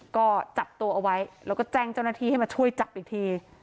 ก็จับตัวเอาไว้แล้วก็แจ้งเจ้าหน้าที่ให้มาช่วยจับอีกที